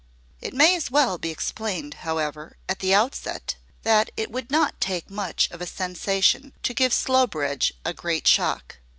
It may as well be explained, however, at the outset, that it would not take much of a sensation to give Slowbridge a great shock.